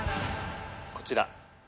こちら。